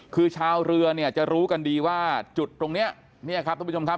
คือชาวเรือเนี่ยจะรู้กันดีว่าจุดตรงนี้เนี่ยครับทุกผู้ชมครับ